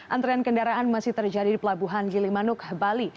antrean kendaraan masih terjadi di pelabuhan gilimanuk bali